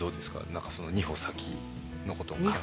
何かその二歩先のことを考える。